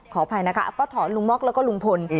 ขออภัยนะคะป้าถอนลุงม็อกแล้วก็ลุงพล